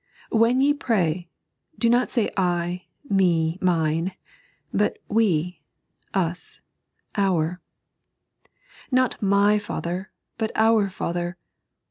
"When ye pray," do not say I, me, mine ; but vx, ua, ovr ; not my Father, but ow Father.